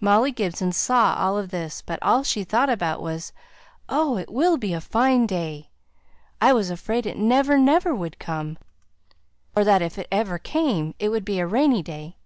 Molly Gibson saw all this, but all she thought about it was, "Oh! it will be a fine day! I was afraid it never, never would come; or that, if it ever came, it would be a rainy day!"